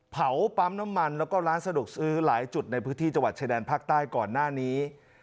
เผาปั๊มน้ำมันแล้วก็ร้านสะดวกซื้อหลายจุดในพื้นที่จังหวัดชายแดนภาคใต้ก่อนหน้านี้